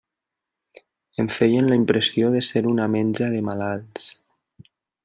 Em feien la impressió de ser una menja de malalts.